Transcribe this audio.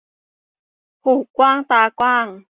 หูกว้างตากว้าง